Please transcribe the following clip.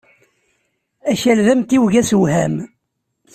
Akal d amtiweg asewham.